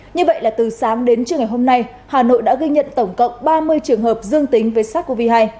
như vậy là từ sáng đến trưa ngày hôm nay hà nội đã ghi nhận tổng cộng ba mươi trường hợp dương tính với sars cov hai